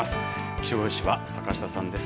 気象予報士は坂下さんです。